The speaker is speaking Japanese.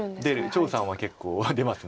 張栩さんは結構出ます。